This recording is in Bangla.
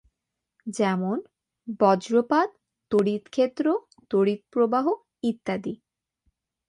যেমন: বজ্রপাত, তড়িৎ ক্ষেত্র, তড়িৎ প্রবাহ ইত্যাদি।